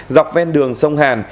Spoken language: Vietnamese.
dọc ven đường sông hàn